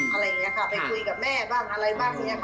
อะไรแบบเนี่ยคะไปคุยกับแม่บ้างอะไรบ้างเนี่ยคะ